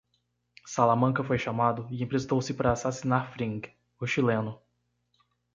Salamanca foi chamado e emprestou-se para assassinar Fring, o chileno.